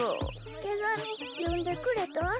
手紙読んでくれた？